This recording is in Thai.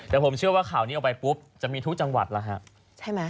แต่ผมเชื่อว่าข่าวนี้ออกไปปุ๊บจะมีทุกจังหวัดแล้วฮะใช่ไหม